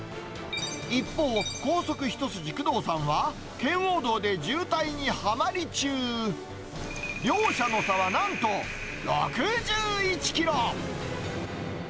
一方、高速一筋、工藤さんは、圏央道で渋滞にはまり中。両者の差はなんと６１キロ。